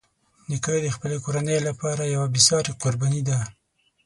نیکه د خپلې کورنۍ لپاره یوه بېساري قرباني ده.